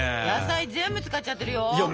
野菜全部使っちゃってるよ。